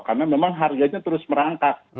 karena memang harganya terus merangkat